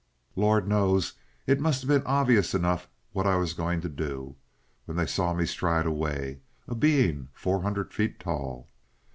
Lord knows it must have been obvious enough what I was going to do, when they saw me stride away, a being four hundred feet tall.